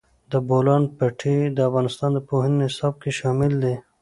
د بولان پټي د افغانستان د پوهنې نصاب کې شامل دي.